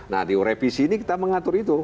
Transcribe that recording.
nah di revisi ini kita mengatur itu